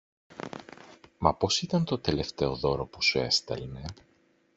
μα πως ήταν το τελευταίο δώρο που σου έστελνε